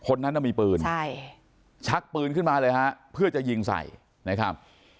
คนนั้นน่ะมีปืนใช่ชักปืนขึ้นมาเลยฮะเพื่อจะยิงใส่นะครับ